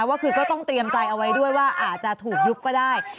ว่าคือก็ต้องเตรียมใจเอาไว้ด้วยว่าอาจจะถูกยุบก็ได้